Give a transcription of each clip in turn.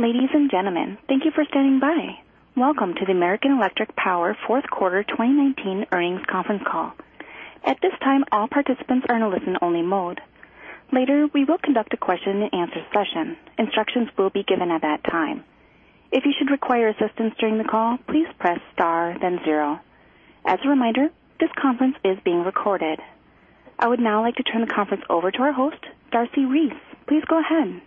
Ladies and gentlemen, thank you for standing by. Welcome to the American Electric Power Fourth Quarter 2019 Earnings Conference Call. At this time, all participants are in a listen-only mode. Later, we will conduct a question-and-answer session. Instructions will be given at that time. If you should require assistance during the call, please press star then zero. As a reminder, this conference is being recorded. I would now like to turn the conference over to our host, Darcy Reese. Please go ahead.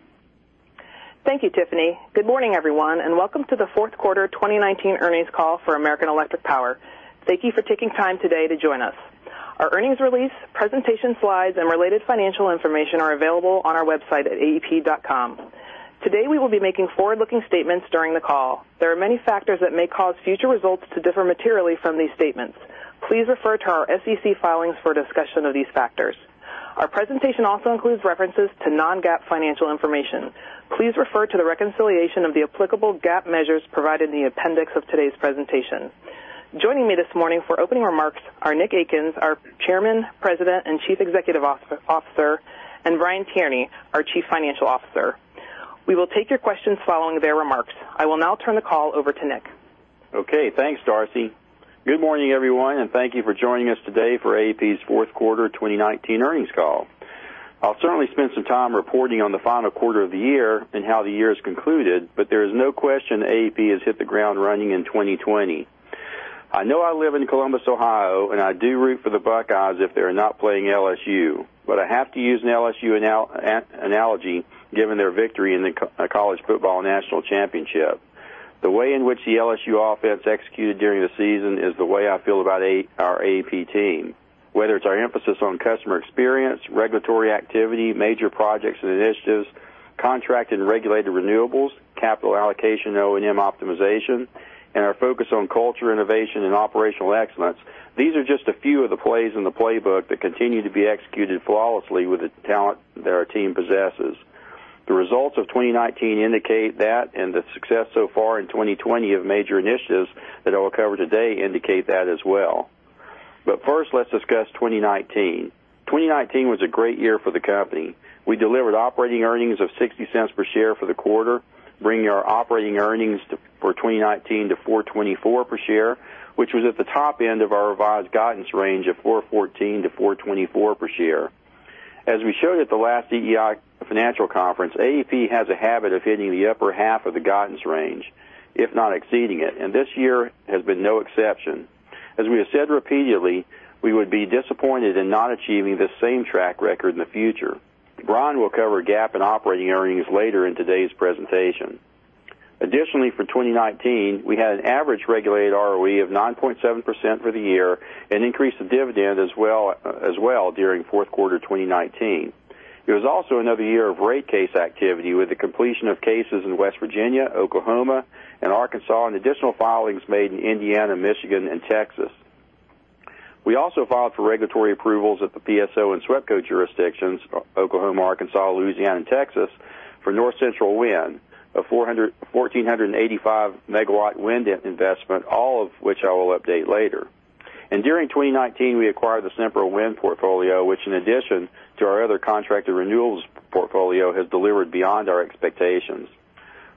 Thank you, Tiffany. Good morning, everyone, and welcome to the fourth quarter 2019 earnings call for American Electric Power. Thank you for taking time today to join us. Our earnings release, presentation slides, and related financial information are available on our website at aep.com. Today, we will be making forward-looking statements during the call. There are many factors that may cause future results to differ materially from these statements. Please refer to our SEC filings for a discussion of these factors. Our presentation also includes references to non-GAAP financial information. Please refer to the reconciliation of the applicable GAAP measures provided in the appendix of today's presentation. Joining me this morning for opening remarks are Nick Akins, our Chairman, President, and Chief Executive Officer, and Brian Tierney, our Chief Financial Officer. We will take your questions following their remarks. I will now turn the call over to Nick. Okay. Thanks, Darcy. Good morning, everyone, and thank you for joining us today for AEP's fourth quarter 2019 earnings call. I'll certainly spend some time reporting on the final quarter of the year and how the year has concluded, but there is no question AEP has hit the ground running in 2020. I know I live in Columbus, Ohio, and I do root for the Buckeyes if they're not playing LSU. I have to use an LSU analogy given their victory in the college football national championship. The way in which the LSU offense executed during the season is the way I feel about our AEP team, whether it's our emphasis on customer experience, regulatory activity, major projects and initiatives, contract and regulated renewables, capital allocation and O&M optimization, and our focus on culture, innovation, and operational excellence. These are just a few of the plays in the playbook that continue to be executed flawlessly with the talent that our team possesses. The results of 2019 indicate that, and the success so far in 2020 of major initiatives that I will cover today indicate that as well. First, let's discuss 2019. 2019 was a great year for the company. We delivered operating earnings of $0.60 per share for the quarter, bringing our operating earnings for 2019 to $4.24 per share, which was at the top end of our revised guidance range of $4.14-$4.24 per share. As we showed at the last EEI Financial Conference, AEP has a habit of hitting the upper half of the guidance range, if not exceeding it, and this year has been no exception. As we have said repeatedly, we would be disappointed in not achieving this same track record in the future. Brian will cover GAAP and operating earnings later in today's presentation. Additionally, for 2019, we had an average regulated ROE of 9.7% for the year, an increase in dividend as well during fourth quarter 2019. It was also another year of rate case activity, with the completion of cases in West Virginia, Oklahoma, and Arkansas, and additional filings made in Indiana, Michigan, and Texas. We also filed for regulatory approvals at the PSO and SWEPCO jurisdictions, Oklahoma, Arkansas, Louisiana, and Texas, for North Central Wind, a 1,485 MW wind investment, all of which I will update later. During 2019, we acquired the Sempra Wind portfolio, which in addition to our other contracted renewables portfolio, has delivered beyond our expectations.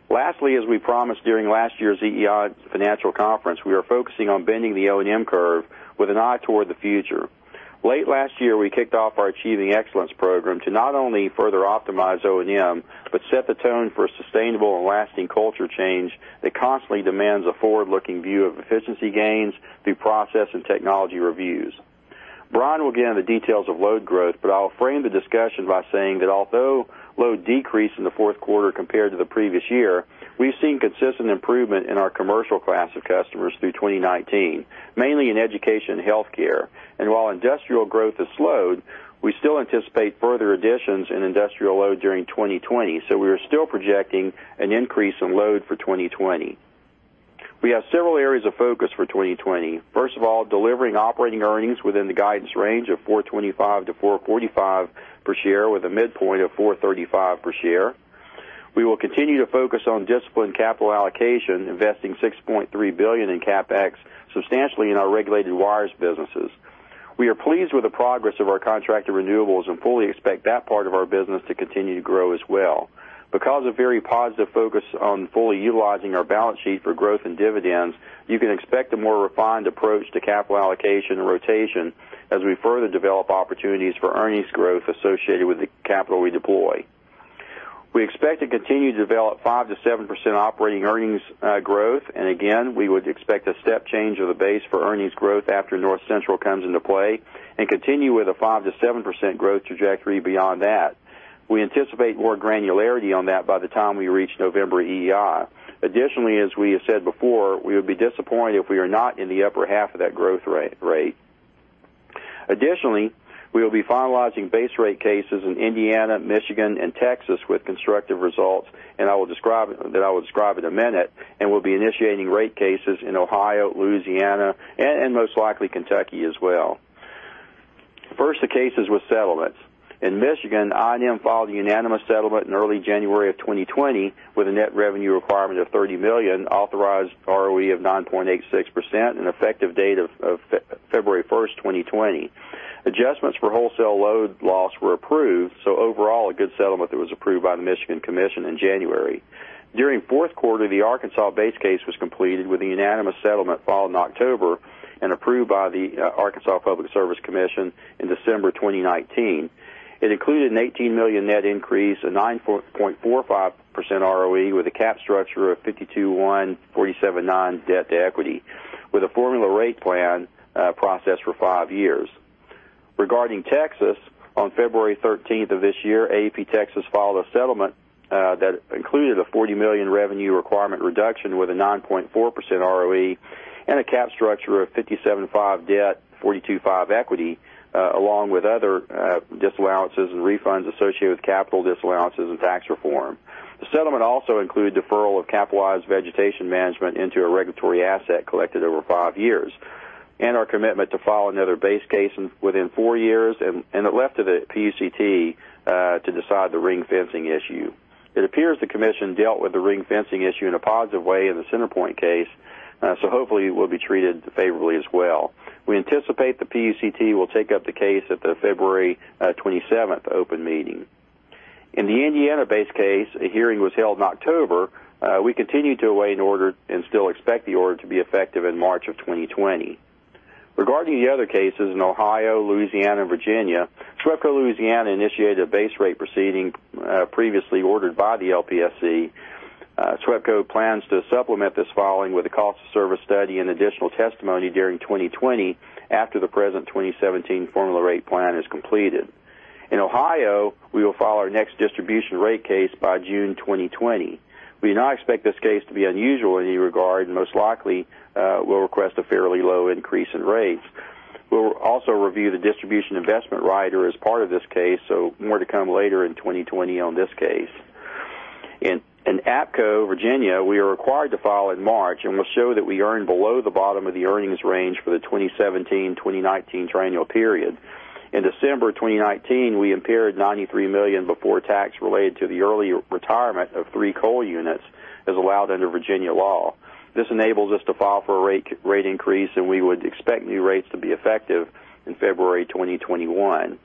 Lastly, as we promised during last year's EEI Financial Conference, we are focusing on bending the O&M curve with an eye toward the future. Late last year, we kicked off our Achieving Excellence program to not only further optimize O&M, but set the tone for a sustainable and lasting culture change that constantly demands a forward-looking view of efficiency gains through process and technology reviews. I'll frame the discussion by saying that although load decreased in the fourth quarter compared to the previous year, we've seen consistent improvement in our commercial class of customers through 2019, mainly in education and healthcare. While industrial growth has slowed, we still anticipate further additions in industrial load during 2020, we are still projecting an increase in load for 2020. We have several areas of focus for 2020. First of all, delivering operating earnings within the guidance range of $4.25-$4.45 per share, with a midpoint of $4.35 per share. We will continue to focus on disciplined capital allocation, investing $6.3 billion in CapEx substantially in our regulated wires businesses. We are pleased with the progress of our contracted renewables and fully expect that part of our business to continue to grow as well. Because a very positive focus on fully utilizing our balance sheet for growth and dividends, you can expect a more refined approach to capital allocation and rotation as we further develop opportunities for earnings growth associated with the capital we deploy. We expect to continue to develop 5%-7% operating earnings growth, and again, we would expect a step change of the base for earnings growth after North Central comes into play and continue with a 5%-7% growth trajectory beyond that. We anticipate more granularity on that by the time we reach November EEI. Additionally, as we have said before, we would be disappointed if we are not in the upper half of that growth rate. Additionally, we will be finalizing base rate cases in Indiana, Michigan, and Texas with constructive results that I will describe in a minute, and we'll be initiating rate cases in Ohio, Louisiana, and most likely Kentucky as well. First, the cases with settlements. In Michigan, I&M filed a unanimous settlement in early January 2020 with a net revenue requirement of $30 million, authorized ROE of 9.86%, an effective date of February 1st, 2020. Adjustments for wholesale load loss were approved. Overall, a good settlement that was approved by the Michigan Commission in January. During fourth quarter, the Arkansas base case was completed with a unanimous settlement filed in October and approved by the Arkansas Public Service Commission in December 2019. It included an $18 million net increase, a 9.45% ROE with a cap structure of 52.1, 47.9 debt to equity, with a formula rate plan process for five years. Regarding Texas, on February 13th of this year, AEP Texas filed a settlement that included a $40 million revenue requirement reduction with a 9.4% ROE and a cap structure of 57.5% debt, 42.5% equity, along with other disallowances and refunds associated with capital disallowances and tax reform. The settlement also included deferral of capitalized vegetation management into a regulatory asset collected over five years and our commitment to file another base case within four years and it left it at PUCT to decide the ring fencing issue. It appears the commission dealt with the ring fencing issue in a positive way in the CenterPoint case, hopefully we'll be treated favorably as well. We anticipate the PUCT will take up the case at the February 27th open meeting. In the Indiana base case, a hearing was held in October. We continue to await an order and still expect the order to be effective in March of 2020. Regarding the other cases in Ohio, Louisiana, and Virginia, SWEPCO Louisiana initiated a base rate proceeding previously ordered by the LPSC. SWEPCO plans to supplement this filing with a cost of service study and additional testimony during 2020 after the present 2017 formula rate plan is completed. In Ohio, we will file our next distribution rate case by June 2020. We do not expect this case to be unusual in any regard. Most likely, we'll request a fairly low increase in rates. We'll also review the distribution investment rider as part of this case. More to come later in 2020 on this case. In APCo, Virginia, we are required to file in March, and we'll show that we earn below the bottom of the earnings range for the 2017-2019 triennial period. In December 2019, we impaired $93 million before tax related to the early retirement of three coal units as allowed under Virginia law. This enables us to file for a rate increase, and we would expect new rates to be effective in February 2021.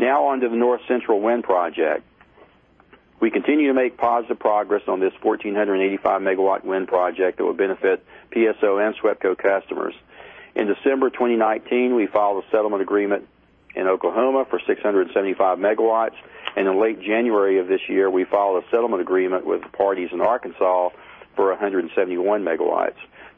Now on to the North Central Wind Project. We continue to make positive progress on this 1,485 MW wind project that will benefit PSO and SWEPCO customers. In December 2019, we filed a settlement agreement in Oklahoma for 675 MW, and in late January of this year, we filed a settlement agreement with the parties in Arkansas for 171 MW.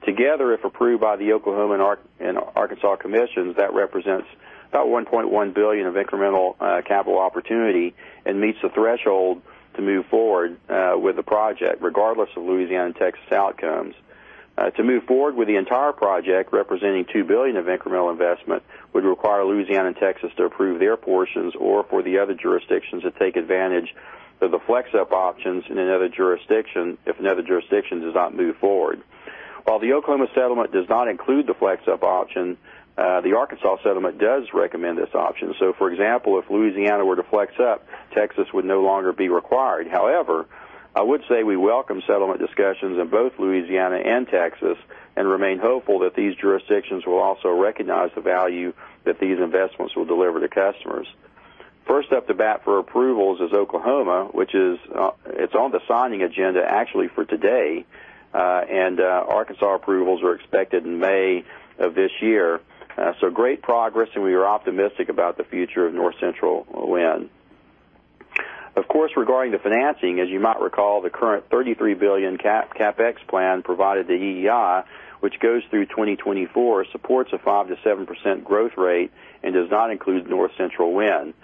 Together, if approved by the Oklahoma and Arkansas Commissions, that represents $1.1 billion of incremental capital opportunity and meets the threshold to move forward with the project regardless of Louisiana and Texas outcomes. To move forward with the entire project, representing $2 billion of incremental investment, would require Louisiana and Texas to approve their portions or for the other jurisdictions to take advantage of the flex-up options in any other jurisdiction if no other jurisdictions does not move forward. While the Oklahoma settlement does not include the flex-up option, the Arkansas settlement does recommend this option. For example, if Louisiana were to flex up, Texas would no longer be required. I would say we welcome settlement discussions in both Louisiana and Texas and remain hopeful that these jurisdictions will also recognize the value that these investments will deliver to customers. First up to bat for approvals is Oklahoma, which is on the signing agenda actually for today. Arkansas approvals are expected in May of this year. Great progress, and we are optimistic about the future of North Central Wind. Of course, regarding the financing, as you might recall, the current $33 billion CapEx plan provided the EEI, which goes through 2024, supports a 5%-7% growth rate and does not include North Central Wind.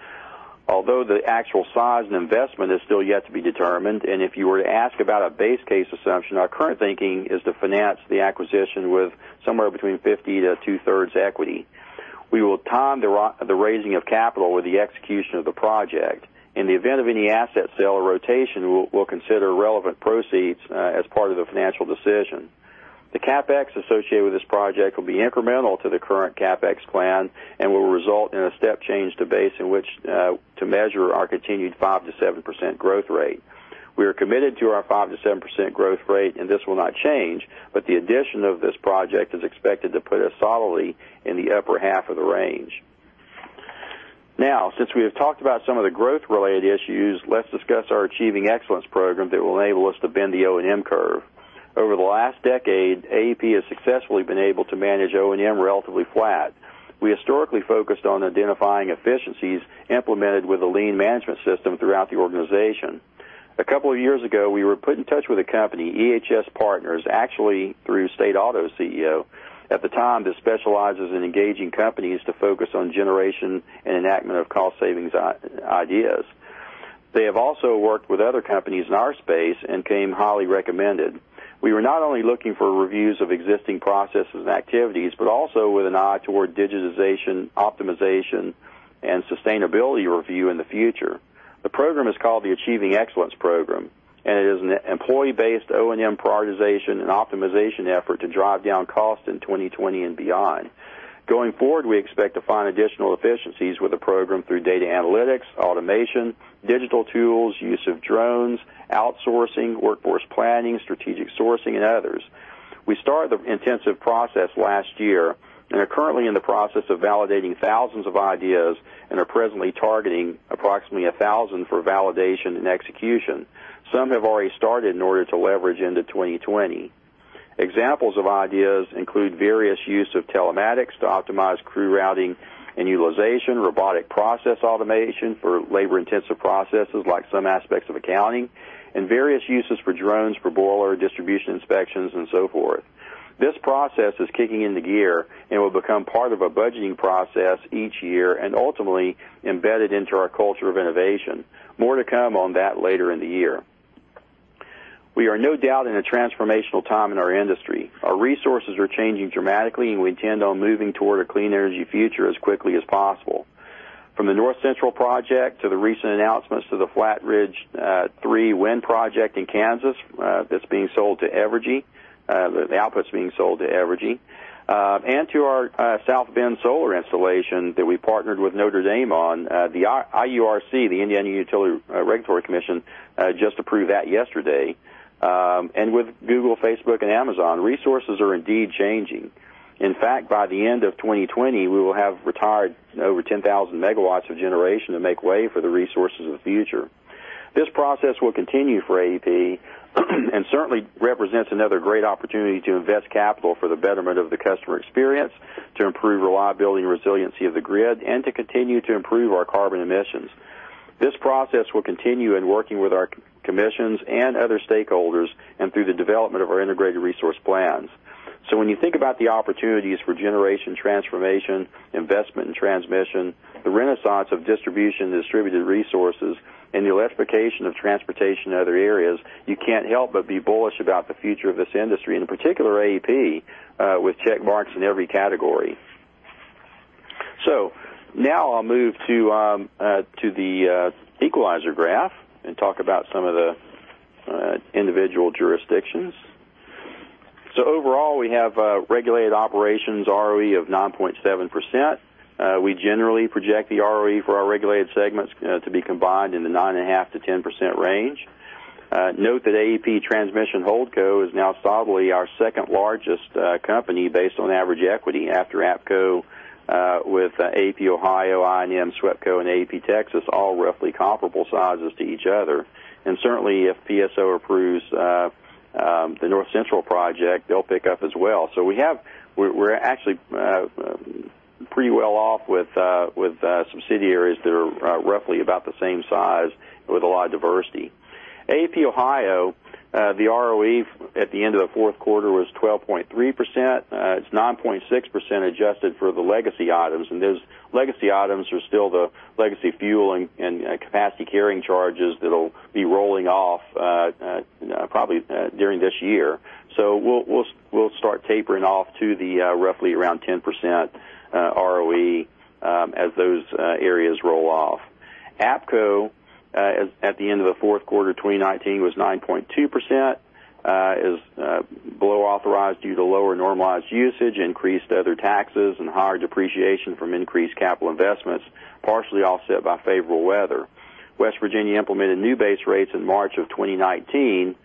Although the actual size and investment is still yet to be determined, and if you were to ask about a base case assumption, our current thinking is to finance the acquisition with somewhere between 50% to two-thirds equity. We will time the raising of capital with the execution of the project. In the event of any asset sale or rotation, we'll consider relevant proceeds as part of the financial decision. The CapEx associated with this project will be incremental to the current CapEx plan and will result in a step change to base in which to measure our continued 5%-7% growth rate. We are committed to our 5%-7% growth rate, and this will not change, but the addition of this project is expected to put us solidly in the upper half of the range. Since we have talked about some of the growth-related issues, let's discuss our Achieving Excellence program that will enable us to bend the O&M curve. Over the last decade, AEP has successfully been able to manage O&M relatively flat. We historically focused on identifying efficiencies implemented with a lean management system throughout the organization. A couple of years ago, we were put in touch with a company, EHS Partners, actually through State Auto's CEO at the time, that specializes in engaging companies to focus on generation and enactment of cost savings ideas. They have also worked with other companies in our space and came highly recommended. We were not only looking for reviews of existing processes and activities, but also with an eye toward digitization, optimization, and sustainability review in the future. The program is called the Achieving Excellence Program. It is an employee-based O&M prioritization and optimization effort to drive down costs in 2020 and beyond. Going forward, we expect to find additional efficiencies with the program through data analytics, automation, digital tools, use of drones, outsourcing, workforce planning, strategic sourcing, and others. We started the intensive process last year and are currently in the process of validating thousands of ideas and are presently targeting approximately 1,000 for validation and execution. Some have already started in order to leverage into 2020. Examples of ideas include various use of telematics to optimize crew routing and utilization, robotic process automation for labor-intensive processes like some aspects of accounting, and various uses for drones for boiler, distribution inspections and so forth. This process is kicking into gear and will become part of a budgeting process each year and ultimately embedded into our culture of innovation. More to come on that later in the year. We are no doubt in a transformational time in our industry. Our resources are changing dramatically, and we intend on moving toward a clean energy future as quickly as possible. From the North Central Project to the recent announcements to the Flat Ridge 3 wind project in Kansas that's being sold to Evergy, the output's being sold to Evergy, and to our South Bend solar installation that we partnered with Notre Dame on. The IURC, the Indiana Utility Regulatory Commission, just approved that yesterday. With Google, Facebook, and Amazon, resources are indeed changing. In fact, by the end of 2020, we will have retired over 10,000 MW of generation to make way for the resources of the future. This process will continue for AEP and certainly represents another great opportunity to invest capital for the betterment of the customer experience, to improve reliability and resiliency of the grid, and to continue to improve our carbon emissions. This process will continue in working with our commissions and other stakeholders and through the development of our Integrated Resource Plans. When you think about the opportunities for generation transformation, investment in transmission, the renaissance of distribution and distributed resources, and the electrification of transportation in other areas, you can't help but be bullish about the future of this industry, and in particular, AEP, with check marks in every category. Now I'll move to the equalizer graph and talk about some of the individual jurisdictions. Overall, we have regulated operations ROE of 9.7%. We generally project the ROE for our regulated segments to be combined in the 9.5%-10% range. Note that AEP Transmission Holdco is now probably our second-largest company based on average equity after APCo with AEP Ohio, I&M, SWEPCO, and AEP Texas, all roughly comparable sizes to each other. Certainly, if PSO approves the North Central Wind Project, they'll pick up as well. We're actually pretty well off with subsidiaries that are roughly about the same size with a lot of diversity. AEP Ohio, the ROE at the end of the fourth quarter was 12.3%. It's 9.6% adjusted for the legacy items. Those legacy items are still the legacy fuel and capacity carrying charges that'll be rolling off probably during this year. We'll start tapering off to the roughly around 10% ROE as those areas roll off. APCo at the end of the fourth quarter 2019 was 9.2%, is below authorized due to lower normalized usage, increased other taxes, and higher depreciation from increased capital investments, partially offset by favorable weather. West Virginia implemented new base rates in March of 2019,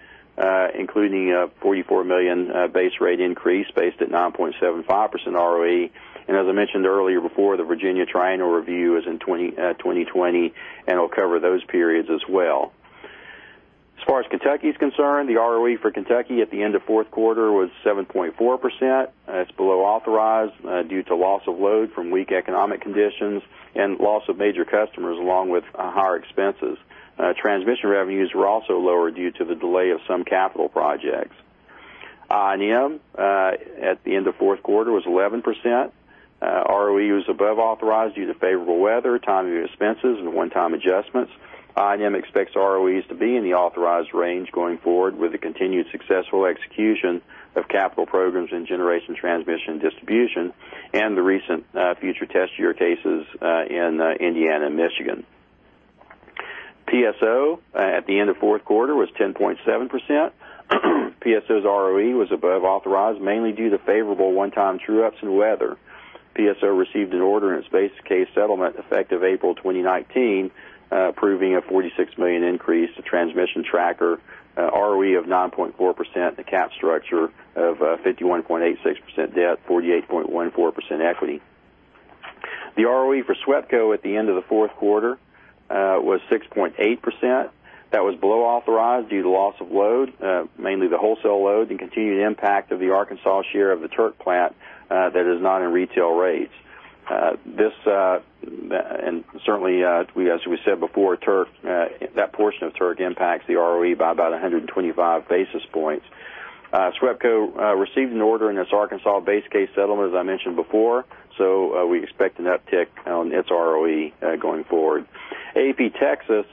including a $44 million base rate increase based at 9.75% ROE. As I mentioned earlier before, the Virginia Triennial Review is in 2020 and will cover those periods as well. As far as Kentucky is concerned, the ROE for Kentucky at the end of fourth quarter was 7.4%. It's below authorized due to loss of load from weak economic conditions and loss of major customers, along with higher expenses. Transmission revenues were also lower due to the delay of some capital projects. I&M at the end of fourth quarter was 11%. ROE was above authorized due to favorable weather, timing of expenses, and one-time adjustments. I&M expects ROEs to be in the authorized range going forward with the continued successful execution of capital programs in generation, transmission, distribution, and the recent future test year cases in Indiana and Michigan. PSO at the end of fourth quarter was 10.7%. PSO's ROE was above authorized, mainly due to favorable one-time true-ups and weather. PSO received an order in its base case settlement effective April 2019, approving a $46 million increase to transmission tracker ROE of 9.4%, a cap structure of 51.86% debt, 48.14% equity. The ROE for SWEPCO at the end of the fourth quarter was 6.8%. That was below authorized due to loss of load, mainly the wholesale load, the continued impact of the Arkansas share of the Turk plant that is not in retail rates. Certainly, as we said before, that portion of Turk impacts the ROE by about 125 basis points. SWEPCO received an order in its Arkansas base case settlement, as I mentioned before, we expect an uptick on its ROE going forward. AEP Texas,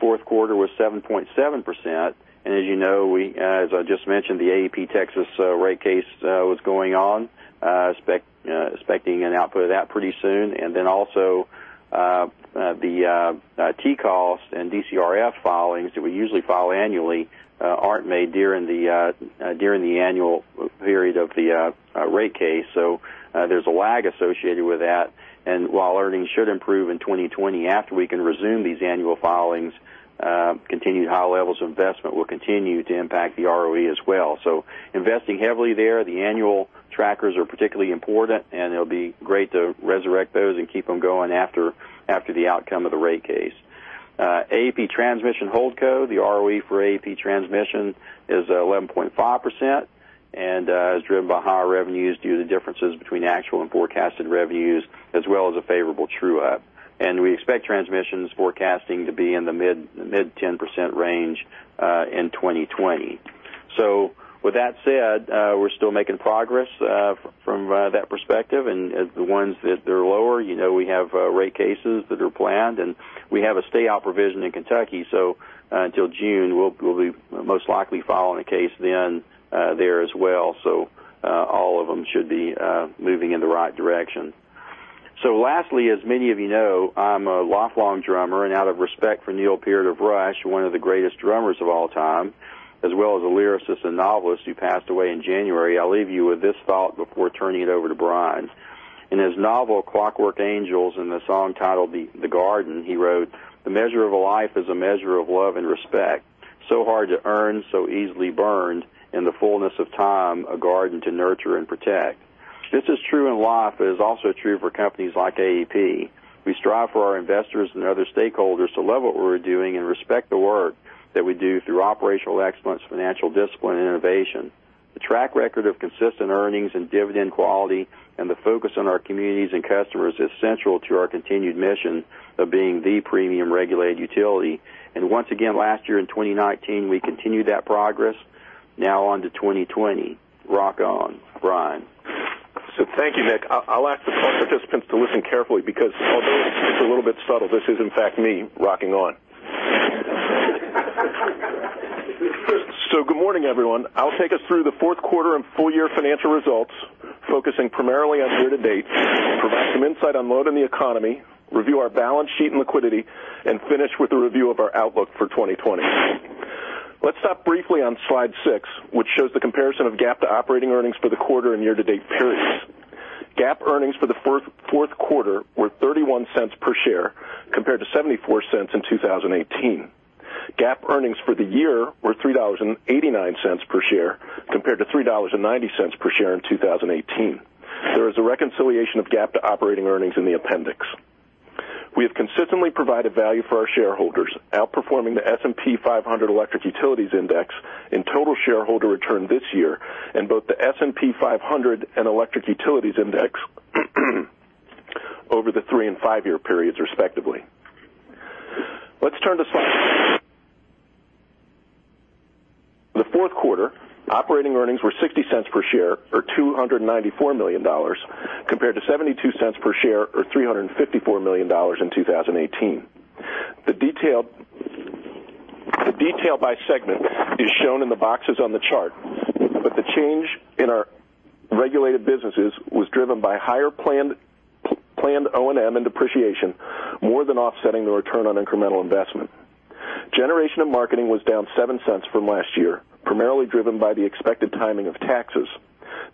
fourth quarter was 7.7%. As you know, as I just mentioned, the AEP Texas rate case was going on. Expecting an output of that pretty soon. Also, the T-cost and DCRF filings that we usually file annually aren't made during the annual period of the rate case. There's a lag associated with that. While earnings should improve in 2020 after we can resume these annual filings, continued high levels of investment will continue to impact the ROE as well. Investing heavily there, the annual trackers are particularly important, and it'll be great to resurrect those and keep them going after the outcome of the rate case. AEP Transmission Holdco, the ROE for AEP Transmission is 11.5% and is driven by higher revenues due to differences between actual and forecasted revenues, as well as a favorable true-up. We expect transmissions forecasting to be in the mid-10% range in 2020. With that said, we're still making progress from that perspective. The ones that are lower, we have rate cases that are planned, and we have a stay-out provision in Kentucky. Until June, we'll be most likely filing a case then there as well. All of them should be moving in the right direction. Lastly, as many of you know, I'm a lifelong drummer, and out of respect for Neil Peart of Rush, one of the greatest drummers of all time, as well as a lyricist and novelist who passed away in January, I'll leave you with this thought before turning it over to Brian. In his novel, "Clockwork Angels," in the song titled "The Garden," he wrote: "The measure of a life is a measure of love and respect, so hard to earn, so easily burned, in the fullness of time, a garden to nurture and protect." This is true in life, but is also true for companies like AEP. We strive for our investors and other stakeholders to love what we're doing and respect the work that we do through operational excellence, financial discipline, and innovation. The track record of consistent earnings and dividend quality and the focus on our communities and customers is central to our continued mission of being the premium regulated utility. Once again, last year in 2019, we continued that progress. Now on to 2020. Rock on. Brian. Thank you, Nick. I'll ask the call participants to listen carefully because although it's a little bit subtle, this is in fact me rocking on. Good morning, everyone. I'll take us through the fourth quarter and full year financial results, focusing primarily on year-to-date, provide some insight on load in the economy, review our balance sheet and liquidity, and finish with a review of our outlook for 2020. Let's stop briefly on slide six, which shows the comparison of GAAP to operating earnings for the quarter and year-to-date periods. GAAP earnings for the fourth quarter were $0.31 per share compared to $0.74 in 2018. GAAP earnings for the year were $3.89 per share compared to $3.90 per share in 2018. There is a reconciliation of GAAP to operating earnings in the appendix. We have consistently provided value for our shareholders, outperforming the S&P 500 Electric Utilities Index in total shareholder return this year and both the S&P 500 and Electric Utilities Index over the three- and five-year periods, respectively. Let's turn to slide seven. The fourth quarter operating earnings were $0.60 per share or $294 million, compared to $0.72 per share or $354 million in 2018. The detail by segment is shown in the boxes on the chart, the change in our regulated businesses was driven by higher planned O&M and depreciation, more than offsetting the return on incremental investment. Generation and marketing was down $0.07 from last year, primarily driven by the expected timing of taxes.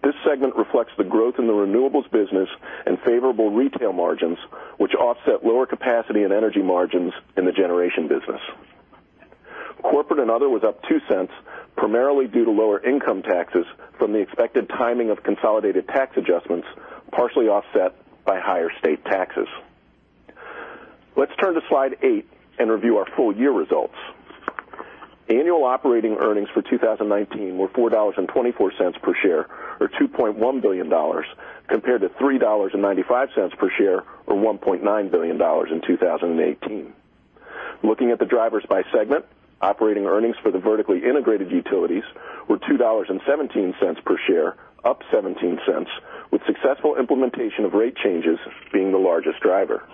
This segment reflects the growth in the renewables business and favorable retail margins, which offset lower capacity and energy margins in the generation business. Corporate and other was up $0.02, primarily due to lower income taxes from the expected timing of consolidated tax adjustments, partially offset by higher state taxes. Let's turn to slide eight and review our full-year results. Annual operating earnings for 2019 were $4.24 per share, or $2.1 billion, compared to $3.95 per share, or $1.9 billion in 2018. Looking at the drivers by segment, operating earnings for the vertically integrated utilities were $2.17 per share, up $0.17, with successful implementation of rate changes being the largest driver.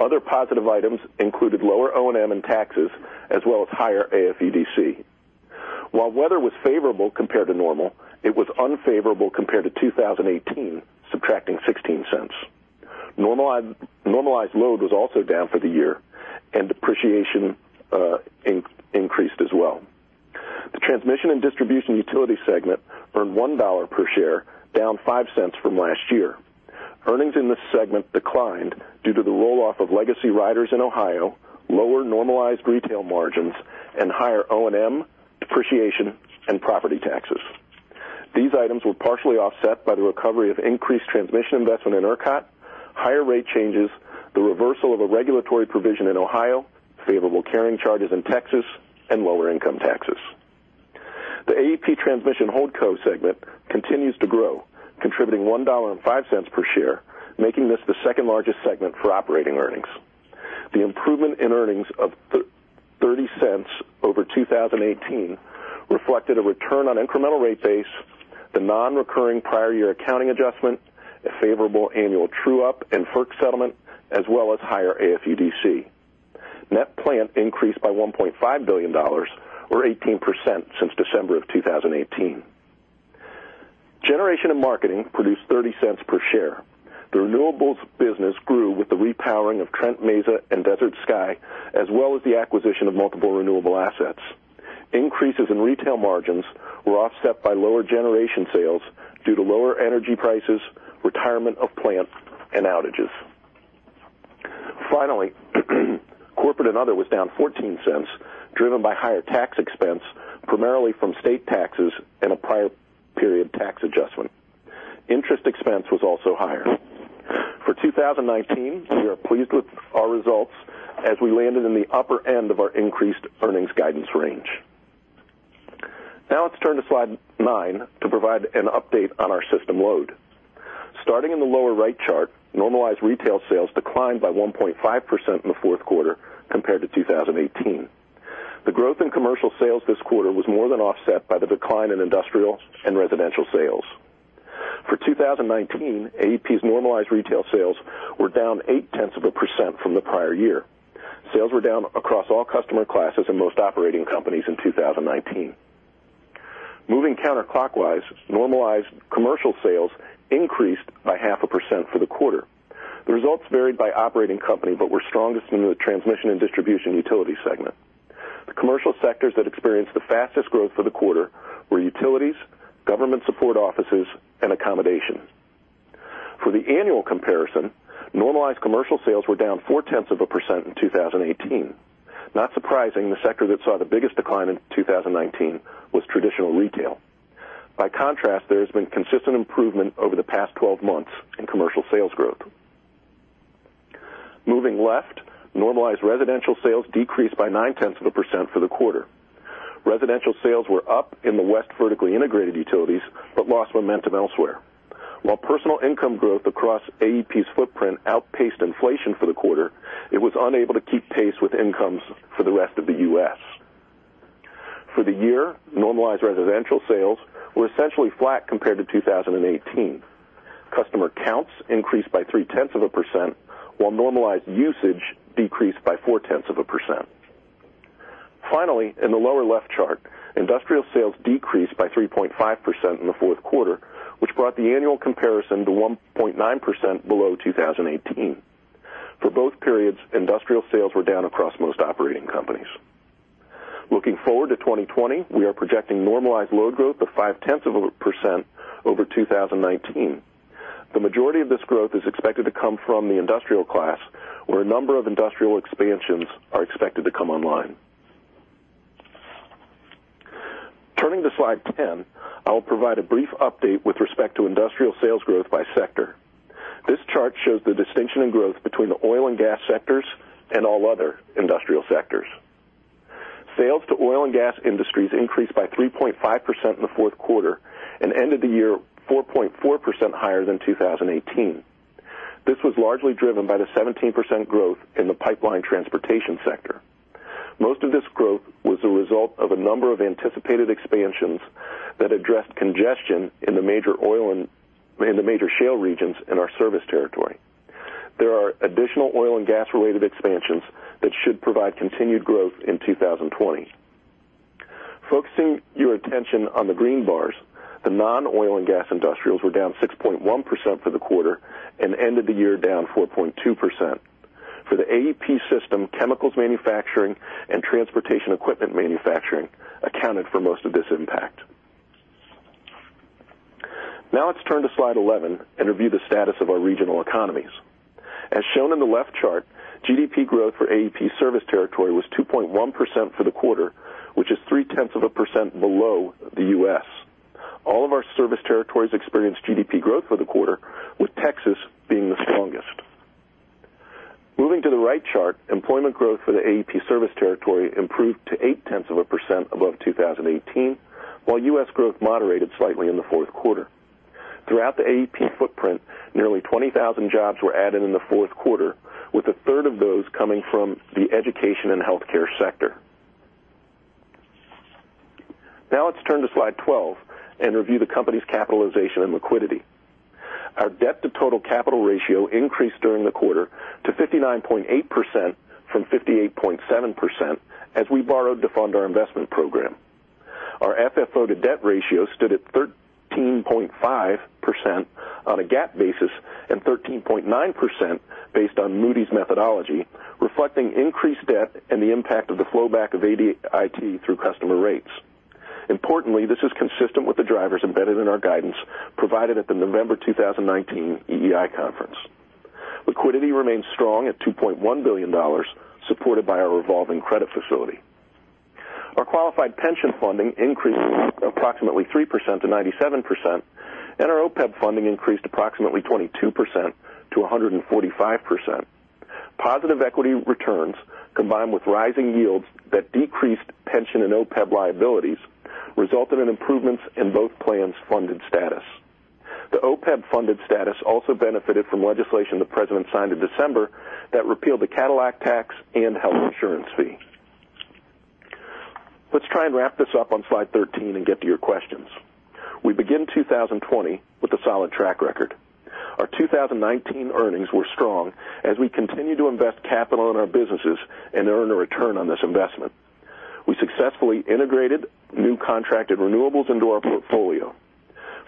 Other positive items included lower O&M and taxes as well as higher AFUDC. While weather was favorable compared to normal, it was unfavorable compared to 2018, subtracting $0.16. Normalized load was also down for the year, and depreciation increased as well. The transmission and distribution utility segment earned $1 per share, down $0.05 from last year. Earnings in this segment declined due to the roll-off of legacy riders in Ohio, lower normalized retail margins, and higher O&M, depreciation, and property taxes. These items were partially offset by the recovery of increased transmission investment in ERCOT, higher rate changes, the reversal of a regulatory provision in Ohio, favorable carrying charges in Texas, and lower income taxes. The AEP Transmission Holdco segment continues to grow, contributing $1.05 per share, making this the second-largest segment for operating earnings. The improvement in earnings of $0.30 over 2018 reflected a return on incremental rate base, the non-recurring prior year accounting adjustment, a favorable annual true-up and FERC settlement, as well as higher AFUDC. Net plant increased by $1.5 billion, or 18%, since December 2018. Generation and marketing produced $0.30 per share. The renewables business grew with the repowering of Trent Mesa and Desert Sky, as well as the acquisition of multiple renewable assets. Increases in retail margins were offset by lower generation sales due to lower energy prices, retirement of plants, and outages. Finally, corporate and other was down $0.14, driven by higher tax expense, primarily from state taxes and a prior period tax adjustment. Interest expense was also higher. For 2019, we are pleased with our results as we landed in the upper end of our increased earnings guidance range. Now let's turn to slide nine to provide an update on our system load. Starting in the lower right chart, normalized retail sales declined by 1.5% in the fourth quarter compared to 2018. The growth in commercial sales this quarter was more than offset by the decline in industrial and residential sales. For 2019, AEP's normalized retail sales were down 0.8% from the prior year. Sales were down across all customer classes and most operating companies in 2019. Moving counterclockwise, normalized commercial sales increased by 0.5% for the quarter. The results varied by operating company but were strongest in the transmission and distribution utility segment. The commercial sectors that experienced the fastest growth for the quarter were utilities, government support offices, and accommodation. For the annual comparison, normalized commercial sales were down 0.4% in 2018. Not surprising, the sector that saw the biggest decline in 2019 was traditional retail. By contrast, there has been consistent improvement over the past 12 months in commercial sales growth. Moving left, normalized residential sales decreased by 0.9% for the quarter. Residential sales were up in the west vertically integrated utilities, but lost momentum elsewhere. While personal income growth across AEP's footprint outpaced inflation for the quarter, it was unable to keep pace with incomes for the rest of the U.S. For the year, normalized residential sales were essentially flat compared to 2018. Customer counts increased by three-tenths of a percent, while normalized usage decreased by four-tenths of a percent. Finally, in the lower left chart, industrial sales decreased by 3.5% in the fourth quarter, which brought the annual comparison to 1.9% below 2018. For both periods, industrial sales were down across most operating companies. Looking forward to 2020, we are projecting normalized load growth of five-tenths of a percent over 2019. The majority of this growth is expected to come from the industrial class, where a number of industrial expansions are expected to come online. Turning to slide 10, I will provide a brief update with respect to industrial sales growth by sector. This chart shows the distinction in growth between the oil and gas sectors and all other industrial sectors. Sales to oil and gas industries increased by 3.5% in the fourth quarter and ended the year 4.4% higher than 2018. This was largely driven by the 17% growth in the pipeline transportation sector. Most of this growth was a result of a number of anticipated expansions that addressed congestion in the major shale regions in our service territory. There are additional oil and gas-related expansions that should provide continued growth in 2020. Focusing your attention on the green bars, the non-oil and gas industrials were down 6.1% for the quarter and ended the year down 4.2%. For the AEP system, chemicals manufacturing and transportation equipment manufacturing accounted for most of this impact. Let's turn to slide 11 and review the status of our regional economies. As shown in the left chart, GDP growth for AEP's service territory was 2.1% for the quarter, which is three-tenths of a percent below the U.S. All of our service territories experienced GDP growth for the quarter, with Texas being the strongest. Moving to the right chart, employment growth for the AEP service territory improved to eight-tenths of a percent above 2018, while U.S. growth moderated slightly in the fourth quarter. Throughout the AEP footprint, nearly 20,000 jobs were added in the fourth quarter, with a third of those coming from the education and healthcare sector. Now let's turn to slide 12 and review the company's capitalization and liquidity. Our debt-to-total capital ratio increased during the quarter to 59.8% from 58.7% as we borrowed to fund our investment program. Our FFO to debt ratio stood at 13.5% on a GAAP basis, and 13.9% based on Moody's methodology, reflecting increased debt and the impact of the flowback of ADIT through customer rates. Importantly, this is consistent with the drivers embedded in our guidance provided at the November 2019 EEI Financial Conference. Liquidity remains strong at $2.1 billion, supported by our revolving credit facility. Our qualified pension funding increased approximately 3% to 97%, and our OPEB funding increased approximately 22%-145%. Positive equity returns, combined with rising yields that decreased pension and OPEB liabilities, resulted in improvements in both plans' funded status. The OPEB-funded status also benefited from legislation the President signed in December that repealed the Cadillac tax and health insurance fee. Let's try and wrap this up on slide 13 and get to your questions. We begin 2020 with a solid track record. Our 2019 earnings were strong as we continue to invest capital in our businesses and earn a return on this investment. We successfully integrated new contracted renewables into our portfolio.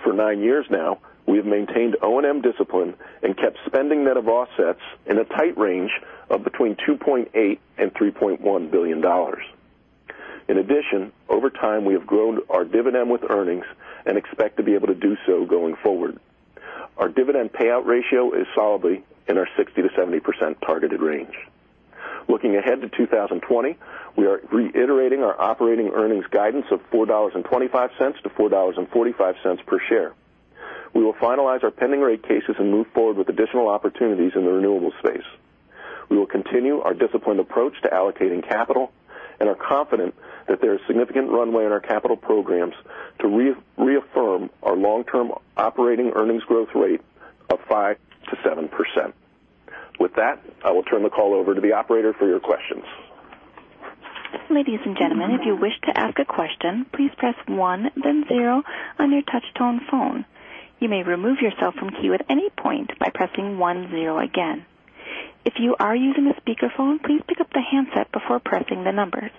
For nine years now, we have maintained O&M discipline and kept spending net of offsets in a tight range of between $2.8 billion and $3.1 billion. In addition, over time, we have grown our dividend with earnings and expect to be able to do so going forward. Our dividend payout ratio is solidly in our 60%-70% targeted range. Looking ahead to 2020, we are reiterating our operating earnings guidance of $4.25-$4.45 per share. We will finalize our pending rate cases and move forward with additional opportunities in the renewables space. We will continue our disciplined approach to allocating capital and are confident that there is significant runway in our capital programs to reaffirm our long-term operating earnings growth rate of 5%-7%. With that, I will turn the call over to the operator for your questions. Ladies and gentlemen, if you wish to ask a question, please press one, then zero on your touchtone phone. You may remove yourself from queue at any point by pressing one, zero again. If you are using a speakerphone, please pick up the handset before pressing the numbers.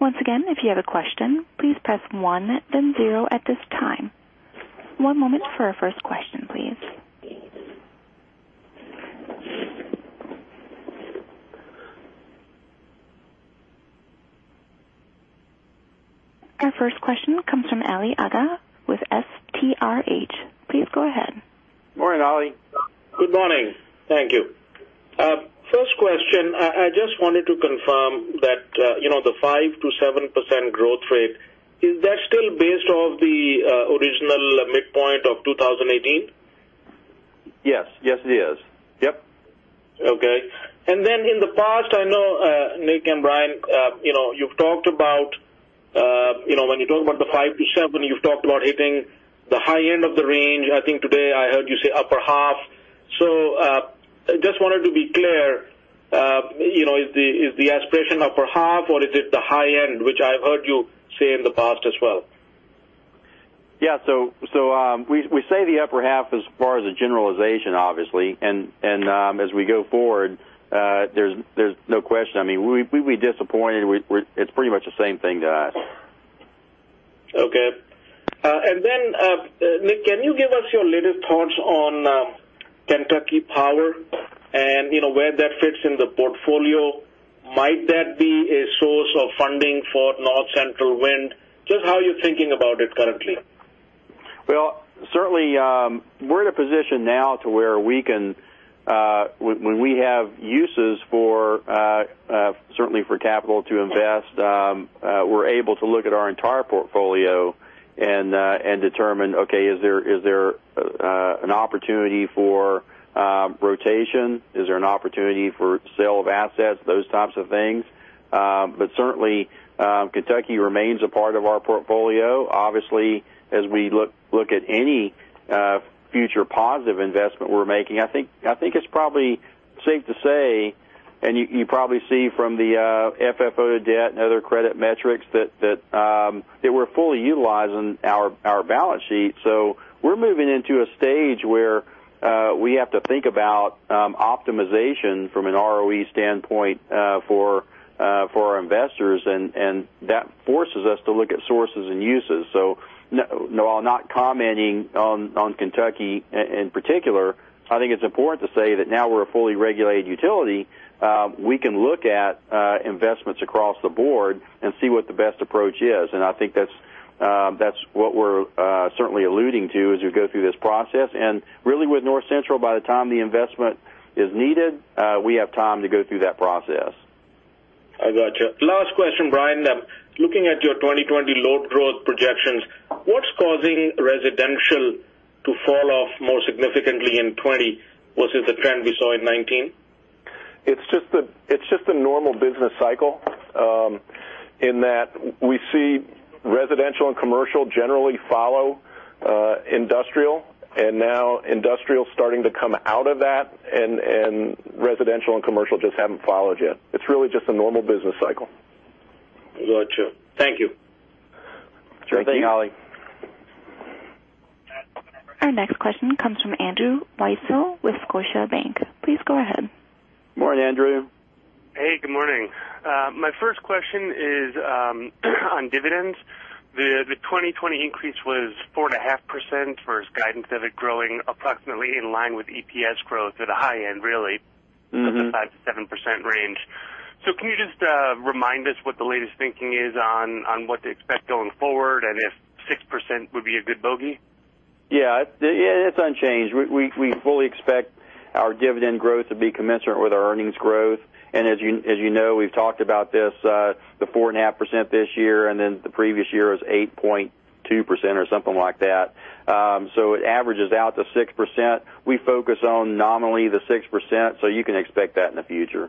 Once again, if you have a question, please press one, then zero at this time. One moment for our first question, please. Our first question comes from Ali Agha with STRH. Please go ahead. Morning, Ali. Good morning. Thank you. First question, I just wanted to confirm that the 5%-7% growth rate, is that still based off the original midpoint of 2018? Yes. Yes, it is. Yep. Okay. In the past, I know, Nick and Brian, when you talk about the 5%-7%, you've talked about hitting the high end of the range. I think today I heard you say upper half. Just wanted to be clear, is the aspiration upper half, or is it the high end, which I've heard you say in the past as well? Yeah. We say the upper half as far as a generalization, obviously, and as we go forward, there's no question. If we disappointed, it's pretty much the same thing to us. Okay. Nick, can you give us your latest thoughts on Kentucky Power and where that fits in the portfolio? Might that be a source of funding for North Central Wind? Just how are you thinking about it currently? Well, certainly, we're in a position now to where when we have uses certainly for capital to invest, we're able to look at our entire portfolio and determine, okay, is there an opportunity for rotation? Is there an opportunity for sale of assets? Those types of things. Certainly, Kentucky remains a part of our portfolio. Obviously, as we look at any future positive investment we're making, I think it's probably safe to say, and you probably see from the FFO to debt and other credit metrics, that we're fully utilizing our balance sheet. We're moving into a stage where we have to think about optimization from an ROE standpoint for our investors, and that forces us to look at sources and uses. While not commenting on Kentucky in particular, I think it's important to say that now we're a fully regulated utility. We can look at investments across the board and see what the best approach is. I think that's what we're certainly alluding to as we go through this process. Really with North Central, by the time the investment is needed, we have time to go through that process. I got you. Last question, Brian. Looking at your 2020 load growth projections, what's causing residential to fall off more significantly in 2020 versus the trend we saw in 2019? It's just a normal business cycle, in that we see residential and commercial generally follow industrial, and now industrial's starting to come out of that, and residential and commercial just haven't followed yet. It's really just a normal business cycle. Got you. Thank you. Thank you. Thank you, Ali. Our next question comes from Andrew Weisel with Scotiabank. Please go ahead. Morning, Andrew. Hey, good morning. My first question is on dividends. The 2020 increase was 4.5% versus guidance of it growing approximately in line with EPS growth at a high end, really. Of the 5%-7% range. Can you just remind us what the latest thinking is on what to expect going forward, and if 6% would be a good bogey? Yeah. It's unchanged. We fully expect our dividend growth to be commensurate with our earnings growth. As you know, we've talked about this, the 4.5% this year, and then the previous year was 8.2% or something like that. It averages out to 6%. We focus on nominally the 6%, so you can expect that in the future.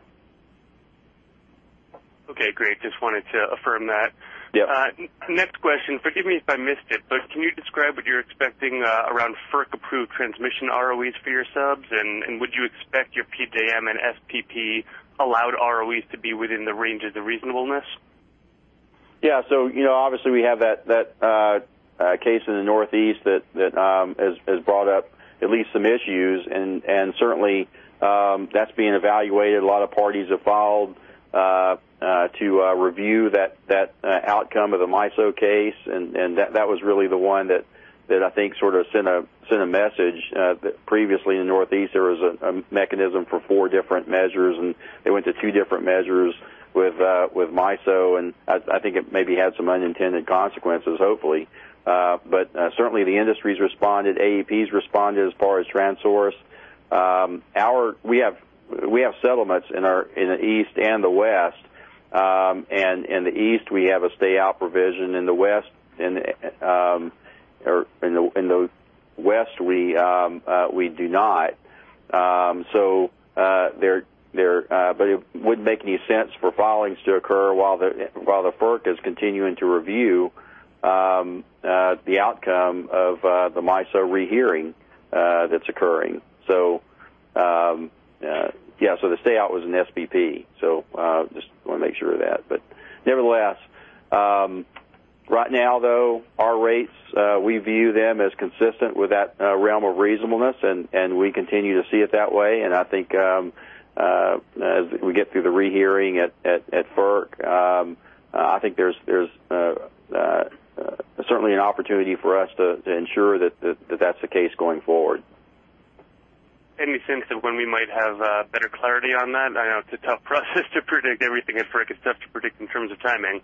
Okay, great. Just wanted to affirm that. Yep. Next question. Forgive me if I missed it, but can you describe what you're expecting around FERC-approved transmission ROEs for your subs, and would you expect your PJM and SPP allowed ROEs to be within the range of the reasonableness? Obviously we have that case in the Northeast that has brought up at least some issues, and certainly that's being evaluated. A lot of parties have filed to review that outcome of the MISO case, and that was really the one that I think sort of sent a message. Previously in the Northeast, there was a mechanism for four different measures, and they went to two different measures with MISO, and I think it maybe had some unintended consequences, hopefully. Certainly the industry's responded, AEP's responded as far as TransSource. We have settlements in the East and the West. In the East, we have a stay-out provision. In the West, we do not. It wouldn't make any sense for filings to occur while the FERC is continuing to review the outcome of the MISO rehearing that's occurring. The stay-out was an SPP. Just want to make sure of that. Nevertheless, right now though, our rates, we view them as consistent with that realm of reasonableness, and we continue to see it that way. I think, as we get through the rehearing at FERC, I think there's certainly an opportunity for us to ensure that that's the case going forward. Any sense of when we might have better clarity on that? I know it's a tough process to predict everything at FERC. It's tough to predict in terms of timing.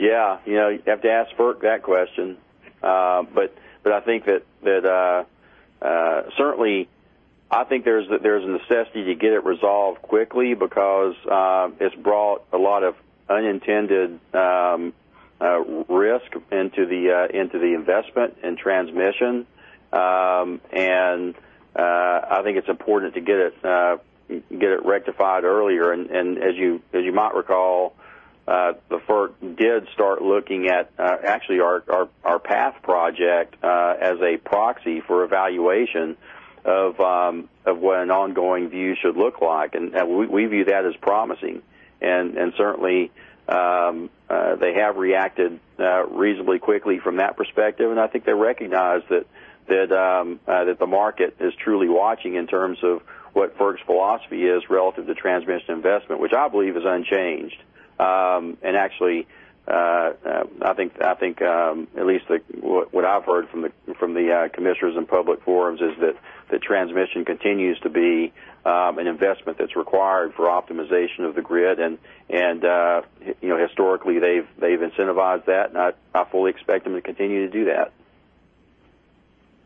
Yeah. You'd have to ask FERC that question. I think that certainly, I think there's a necessity to get it resolved quickly because it's brought a lot of unintended risk into the investment in transmission. I think it's important to get it rectified earlier. As you might recall, the FERC did start looking at, actually, our PATH project as a proxy for evaluation of what an ongoing view should look like. We view that as promising. Certainly, they have reacted reasonably quickly from that perspective, and I think they recognize that the market is truly watching in terms of what FERC's philosophy is relative to transmission investment, which I believe is unchanged. Actually, I think at least what I've heard from the commissioners in public forums is that the transmission continues to be an investment that's required for optimization of the grid. Historically, they've incentivized that, and I fully expect them to continue to do that.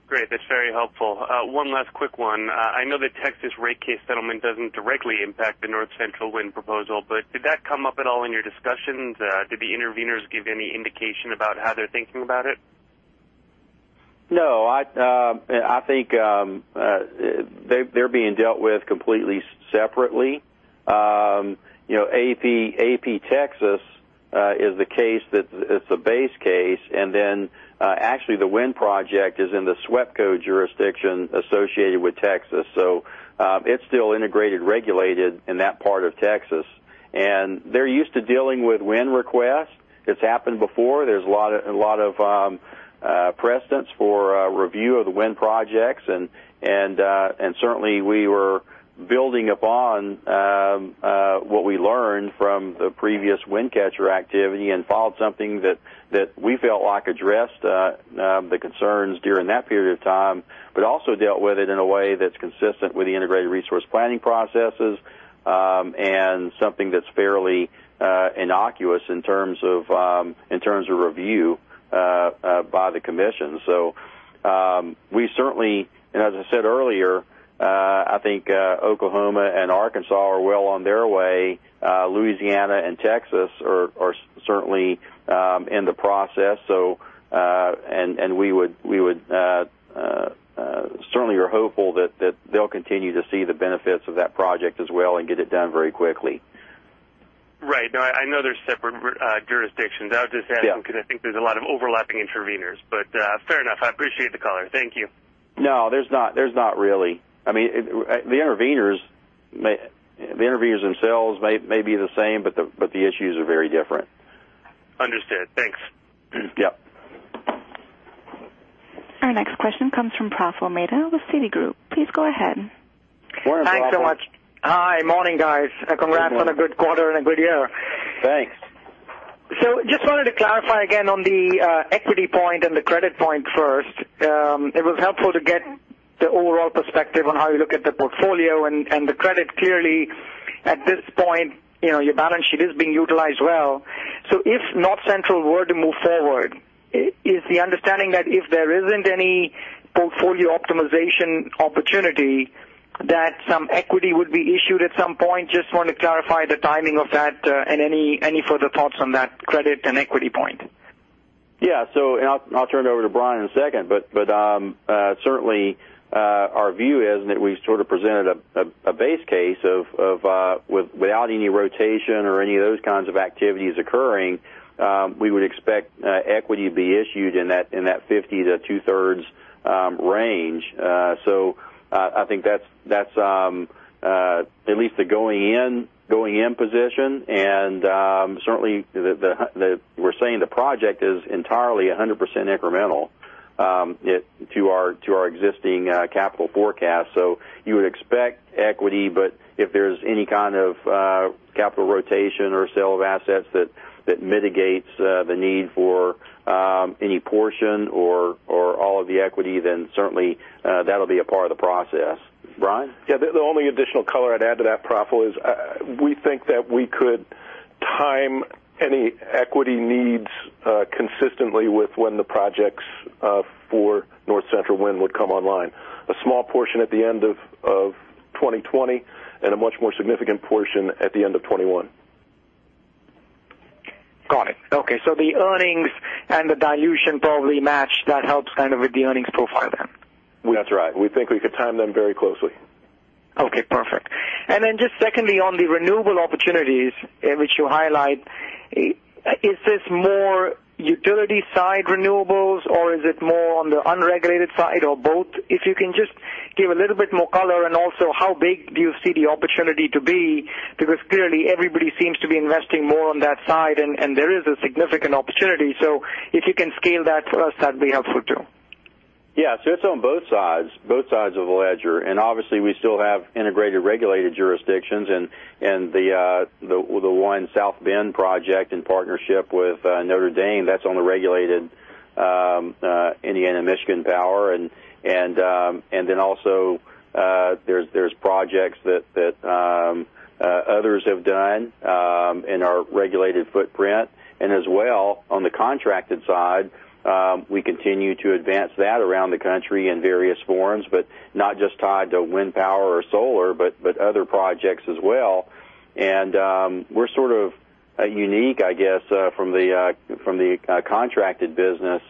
Great. That's very helpful. One last quick one. I know the Texas rate case settlement doesn't directly impact the North Central Wind proposal. Did that come up at all in your discussions? Did the intervenors give any indication about how they're thinking about it? No. I think they're being dealt with completely separately. AEP Texas is the base case, and then actually the Wind project is in the SWEPCO jurisdiction associated with Texas. It's still integrated, regulated in that part of Texas. They're used to dealing with Wind requests. It's happened before. There's a lot of precedence for a review of the Wind projects, and certainly we were building upon what we learned from the previous Wind Catcher activity and filed something that we felt like addressed the concerns during that period of time, but also dealt with it in a way that's consistent with the integrated resource planning processes, and something that's fairly innocuous in terms of review by the commission. We certainly, as I said earlier, I think Oklahoma and Arkansas are well on their way. Louisiana and Texas are certainly in the process. We would certainly are hopeful that they'll continue to see the benefits of that project as well and get it done very quickly. Right. No, I know they're separate jurisdictions. I was just asking- Yeah because I think there's a lot of overlapping intervenors. Fair enough. I appreciate the color. Thank you. No, there's not really. The intervenors themselves may be the same, but the issues are very different. Understood. Thanks. Yep. Our next question comes from Praful Mehta with Citigroup. Please go ahead. Morning, Praful. Thanks so much. Hi. Morning, guys. Good morning. Congrats on a good quarter and a good year. Thanks. Just wanted to clarify again on the equity point and the credit point first. It was helpful to get the overall perspective on how you look at the portfolio and the credit. Clearly, at this point, your balance sheet is being utilized well. If North Central were to move forward, is the understanding that if there isn't any portfolio optimization opportunity, that some equity would be issued at some point? Just want to clarify the timing of that and any further thoughts on that credit and equity point. Yeah. I'll turn it over to Brian in a second, but certainly our view is that we've sort of presented a base case without any rotation or any of those kinds of activities occurring. We would expect equity to be issued in that 50 to 2/3 range. I think that's at least the going-in position. Certainly, we're saying the project is entirely 100% incremental to our existing capital forecast. You would expect equity, but if there's any kind of capital rotation or sale of assets that mitigates the need for any portion or all of the equity, then certainly that'll be a part of the process. Brian? The only additional color I'd add to that, Praful, is we think that we could time any equity needs consistently with when the projects for North Central Wind would come online. A small portion at the end of 2020, and a much more significant portion at the end of 2021. Got it. Okay. The earnings and the dilution probably match. That helps with the earnings profile then. That's right. We think we could time them very closely. Okay, perfect. Just secondly, on the renewable opportunities in which you highlight, is this more utility side renewables, or is it more on the unregulated side, or both? If you can just give a little bit more color, and also how big do you see the opportunity to be? Clearly everybody seems to be investing more on that side, and there is a significant opportunity. If you can scale that for us, that'd be helpful too. Yeah. It's on both sides of the ledger. Obviously, we still have integrated regulated jurisdictions. The one South Bend project in partnership with Notre Dame, that's on the regulated Indiana Michigan Power. Also, there's projects that others have done in our regulated footprint. As well, on the contracted side, we continue to advance that around the country in various forms. Not just tied to wind power or solar, but other projects as well. We're sort of unique, I guess, from the contracted business.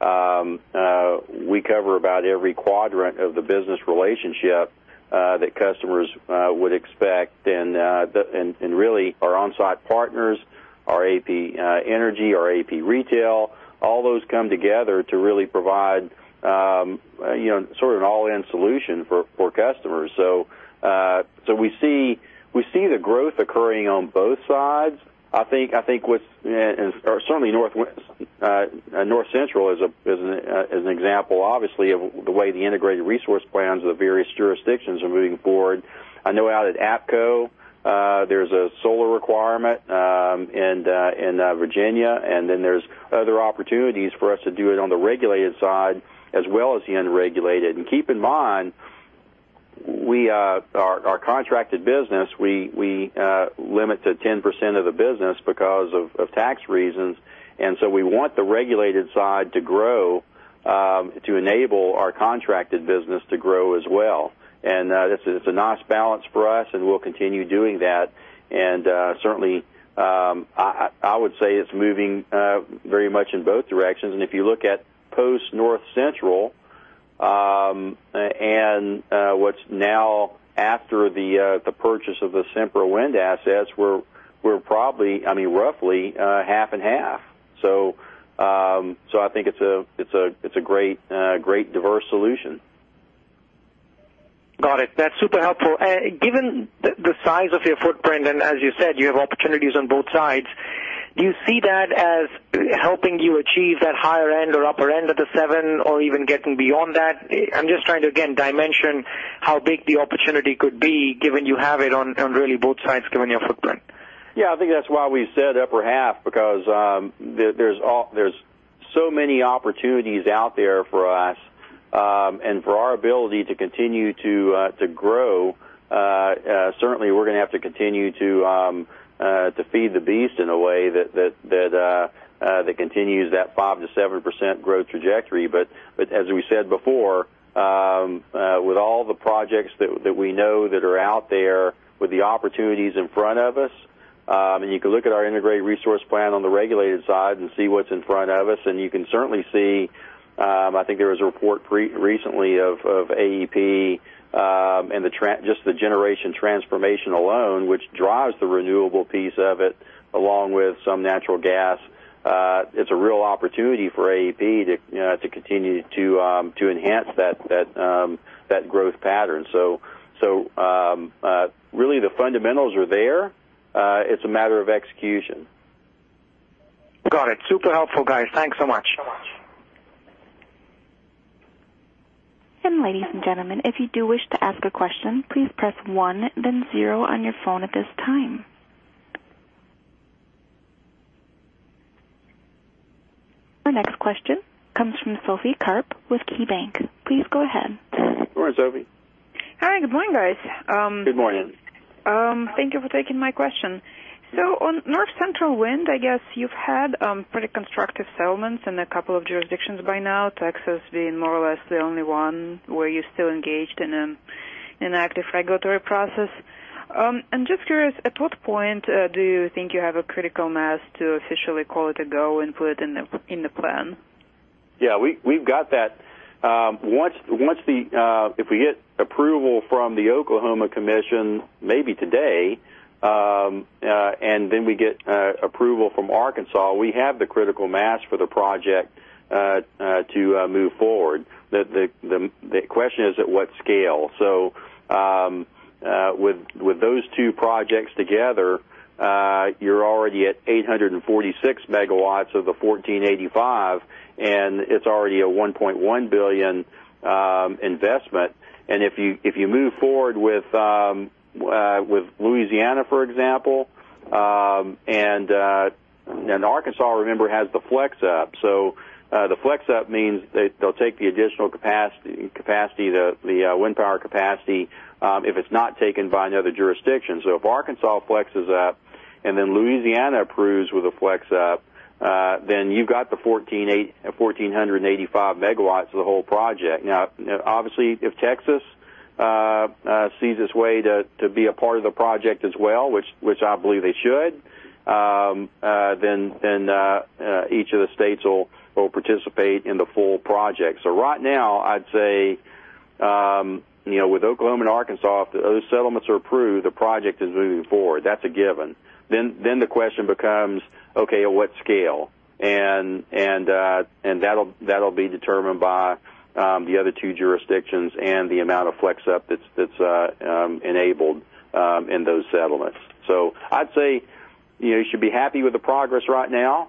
We cover about every quadrant of the business relationship that customers would expect. Our on-site partners, our AEP Energy, our AEP Retail, all those come together to really provide an all-in solution for customers. We see the growth occurring on both sides. North Central is an example, obviously, of the way the Integrated Resource Plans of the various jurisdictions are moving forward. I know out at APCo, there's a solar requirement in Virginia. Then there's other opportunities for us to do it on the regulated side as well as the unregulated. Keep in mind, our contracted business, we limit to 10% of the business because of tax reasons. We want the regulated side to grow to enable our contracted business to grow as well. This is a nice balance for us, and we'll continue doing that. Certainly, I would say it's moving very much in both directions. If you look at post North Central, and what's now after the purchase of the Sempra wind assets, we're roughly half and half. I think it's a great diverse solution. Got it. That's super helpful. Given the size of your footprint, and as you said, you have opportunities on both sides, do you see that as helping you achieve that higher end or upper end of the seven, or even getting beyond that? I'm just trying to, again, dimension how big the opportunity could be given you have it on really both sides given your footprint. I think that's why we said upper half, because there's so many opportunities out there for us. For our ability to continue to grow, certainly we're going to have to continue to feed the beast in a way that continues that 5%-7% growth trajectory. As we said before, with all the projects that we know that are out there, with the opportunities in front of us, and you can look at our Integrated Resource Plan on the regulated side and see what's in front of us. You can certainly see, I think there was a report recently of AEP, and just the generation transformation alone, which drives the renewable piece of it, along with some natural gas. It's a real opportunity for AEP to continue to enhance that growth pattern. Really the fundamentals are there. It's a matter of execution. Got it. Super helpful, guys. Thanks so much. Ladies and gentlemen, if you do wish to ask a question, please press one, then zero on your phone at this time. Our next question comes from Sophie Karp with KeyBanc. Please go ahead. Go on, Sophie. Hi. Good morning, guys. Good morning. Thank you for taking my question. On North Central Wind, I guess you've had pretty constructive settlements in a couple of jurisdictions by now, Texas being more or less the only one where you're still engaged in an active regulatory process. I'm just curious, at what point do you think you have a critical mass to officially call it a go and put it in the plan? Yeah. We've got that. If we get approval from the Oklahoma Commission, maybe today, and then we get approval from Arkansas, we have the critical mass for the project to move forward. The question is at what scale. With those two projects together, you're already at 846 MW of a 1,485, and it's already a $1.1 billion investment. If you move forward with Louisiana, for example, and Arkansas, remember, has the flex-up. The flex-up means they'll take the additional wind power capacity if it's not taken by another jurisdiction. If Arkansas flexes up and then Louisiana approves with a flex up, then you've got the 1,485 MW for the whole project. Obviously, if Texas sees its way to be a part of the project as well, which I believe they should, then each of the states will participate in the full project. Right now, I'd say, with Oklahoma and Arkansas, if those settlements are approved, the project is moving forward. That's a given. The question becomes, okay, at what scale? That'll be determined by the other two jurisdictions and the amount of flex up that's enabled in those settlements. I'd say you should be happy with the progress right now,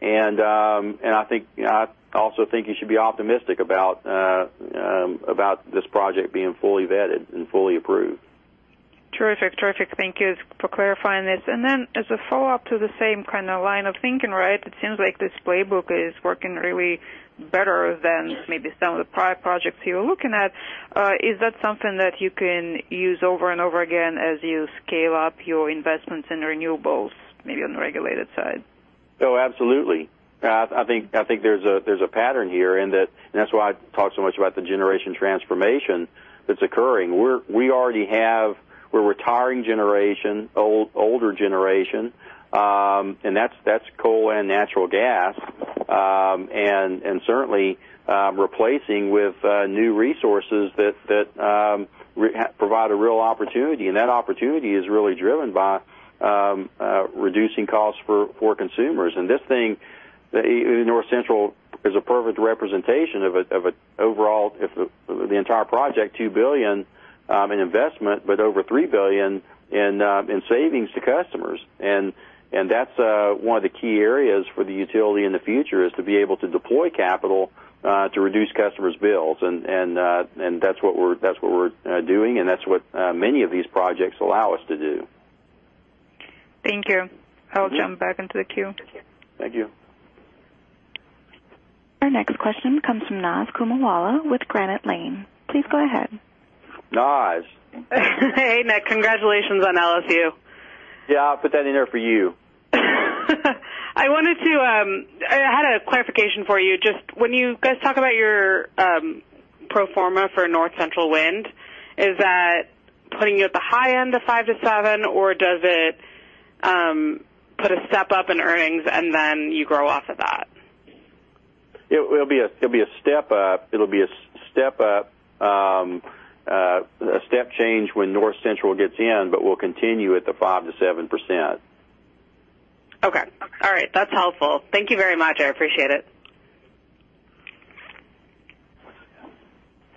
and I also think you should be optimistic about this project being fully vetted and fully approved. Terrific. Thank you for clarifying this. As a follow-up to the same line of thinking, it seems like this playbook is working really better than maybe some of the prior projects you were looking at. Is that something that you can use over and over again as you scale up your investments in renewables, maybe on the regulated side? Oh, absolutely. I think there's a pattern here, that's why I talk so much about the generation transformation that's occurring. We're retiring generation, older generation, that's coal and natural gas, certainly replacing with new resources that provide a real opportunity. That opportunity is really driven by reducing costs for consumers. This thing, North Central is a perfect representation of it. Overall, the entire project, $2 billion in investment, over $3 billion in savings to customers. That's one of the key areas for the utility in the future is to be able to deploy capital to reduce customers' bills. That's what we're doing, that's what many of these projects allow us to do. Thank you. I'll jump back into the queue. Thank you. Our next question comes from Naz Kumarawala with Granite Lane. Please go ahead. Naz. Hey, Nick. Congratulations on LSU. Yeah, I put that in there for you. I had a clarification for you. Just when you guys talk about your pro forma for North Central Wind, is that putting you at the high end of five to seven, or does it put a step up in earnings and then you grow off of that? It'll be a step up. A step change when North Central gets in, but we'll continue at the 5%-7%. Okay. All right. That's helpful. Thank you very much. I appreciate it.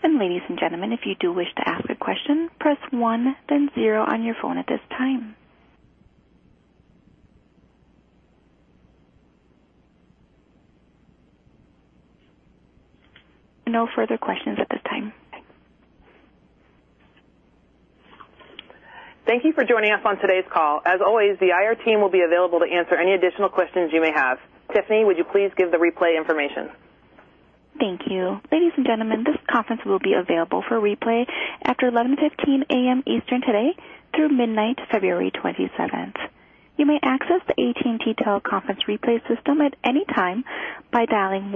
Ladies and gentlemen, if you do wish to ask a question, press one, then zero on your phone at this time. No further questions at this time. Thank you for joining us on today's call. As always, the IR team will be available to answer any additional questions you may have. Tiffany, would you please give the replay information? Thank you. Ladies and gentlemen, this conference will be available for replay after 11:15 A.M. Eastern today through midnight February 27th. You may access the AT&T Teleconference replay system at any time by dialing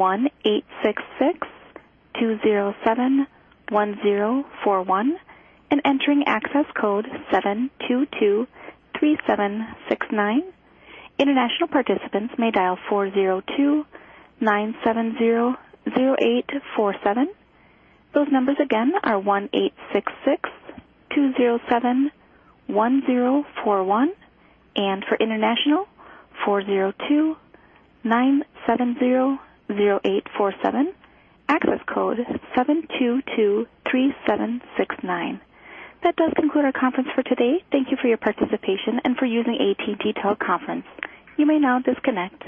1-866-207-1041 and entering access code 7223769. International participants may dial 402-970-0847. Those numbers again are 1-866-207-1041, and for international, 402-970-0847. Access code 7223769. That does conclude our conference for today. Thank you for your participation and for using AT&T Teleconference. You may now disconnect.